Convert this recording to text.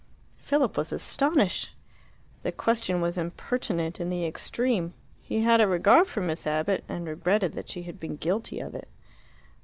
Philip was astonished. The question was impertinent in the extreme. He had a regard for Miss Abbott, and regretted that she had been guilty of it.